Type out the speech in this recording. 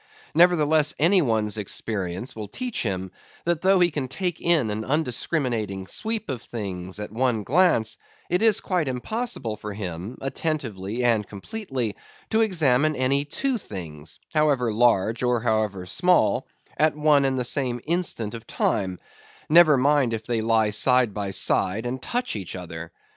Nevertheless, any one's experience will teach him, that though he can take in an undiscriminating sweep of things at one glance, it is quite impossible for him, attentively, and completely, to examine any two things—however large or however small—at one and the same instant of time; never mind if they lie side by side and touch each other.